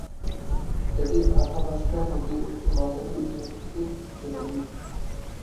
এটি আথাবাস্কা নদীর একটি মাঝারি দৈর্ঘ্যের উপনদী।